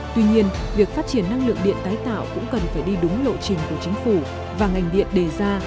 tuy nhiên việc phát triển năng lượng điện tái tạo cũng cần phải đi đúng lộ trình của chính phủ và ngành điện đề ra